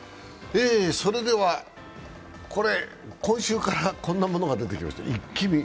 それでは、今週からこんなものが出てきました、「イッキ見」。